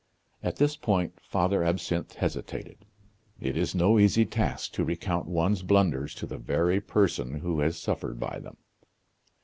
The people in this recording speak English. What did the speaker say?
At this point Father Absinthe hesitated; it is no easy task to recount one's blunders to the very person who has suffered by them.